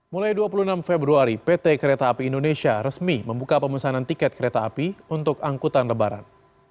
mulai dua puluh enam februari pt kereta api indonesia resmi membuka pemesanan tiket kereta api untuk angkutan lebaran